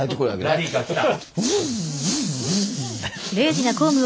ラリーカー来た。